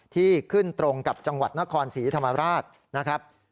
ที่ขึ้นตรงกับจังหวัดนครศรีธรรมราชนะครับ